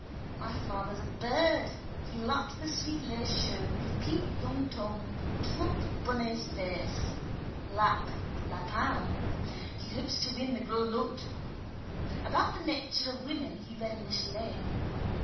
My father's a bird, he lapped the sweet lait chaud with pink young tongue, plump bunny's face. Lap, lapin. He hopes to win in the gros lots. About the nature of women he read in Michelet.